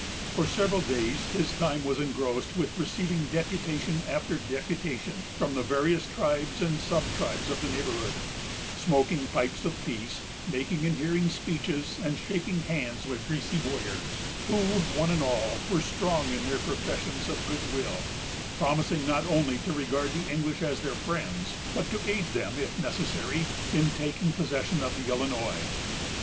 For several days, his time was engrossed with receiving deputation after deputation from the various tribes and sub tribes of the neighborhood, smoking pipes of peace, making and hearing speeches, and shaking hands with greasy warriors, who, one and all, were strong in their professions of good will, promising not only to regard the English as their friends, but to aid them, if necessary, in taking possession of the Illinois.